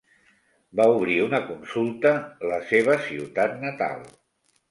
Va obrir una consulta la seva ciutat natal.